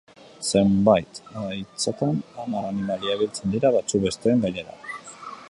Zenbait haitzetan, hamar animalia biltzen dira, batzuk besteen gainean.